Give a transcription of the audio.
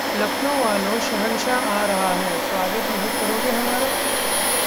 'लखनऊ वालों शहंशाह आ रहा है, स्वागत नहीं करोगे हमारा'